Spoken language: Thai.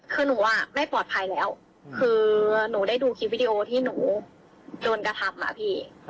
คือหนูอ่ะไม่ปลอดภัยแล้วคือหนูได้ดูคลิปวิดีโอที่หนูโดนกระทำอ่ะพี่